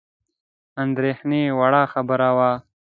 اندېښني وړ خبره وه.